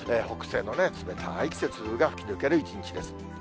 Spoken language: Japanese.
北西の冷たい季節風が吹き抜ける一日です。